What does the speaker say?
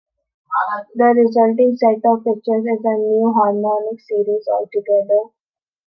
The resulting set of pitches is a new harmonic series altogether.